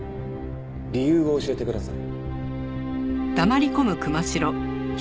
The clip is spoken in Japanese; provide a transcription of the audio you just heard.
理由を教えてください。